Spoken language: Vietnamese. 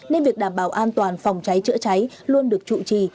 nên việc đảm bảo an toàn phòng cháy chữa cháy luôn được chủ trì